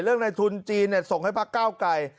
เรื่องในทุนจีนส่งให้พระก้าวไกร